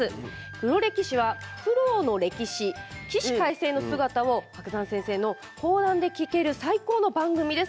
黒歴史は苦労の歴史起死回生の姿を伯山先生の講談で聞ける最高の番組です。